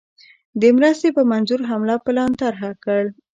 د مرستي په منظور حمله پلان طرح کړ.